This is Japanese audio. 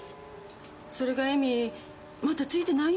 それが恵美まだ着いてないんですよ。